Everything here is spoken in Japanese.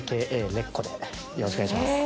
裂固でよろしくお願いします